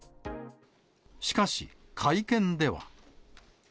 しかし、会見では。